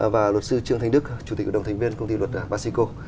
và luật sư trương thành đức chủ tịch ủy đồng thành viên công ty luật basico